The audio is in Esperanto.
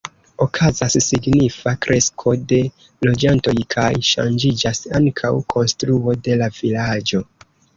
Okazas signifa kresko de loĝantoj kaj ŝanĝiĝas ankaŭ konstruo de la vilaĝo.